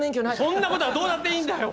そんなことはどうだっていいんだよ！